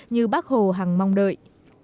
như bác hồ hằng mong đợi